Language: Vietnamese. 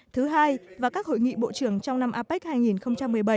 thứ hai và các hội nghị bộ trưởng trong năm apec hai nghìn một mươi bảy